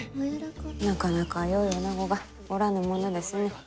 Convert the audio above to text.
なかなかよいおなごがおらぬものですね。